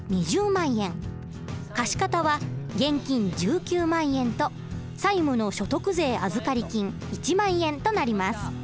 貸方は現金１９万円と債務の所得税預り金１万円となります。